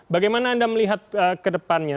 bagaimana anda melihat ke depannya